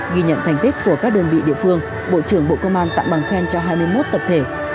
ghi nhận thành tích của các đơn vị địa phương bộ trưởng bộ công an tặng bằng khen cho hai mươi một tập thể